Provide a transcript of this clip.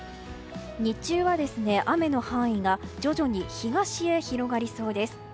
日中は雨の範囲が徐々に東へ広がりそうです。